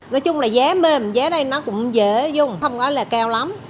nói chung là giá mềm giá đây nó cũng dễ dùng không có là cao lắm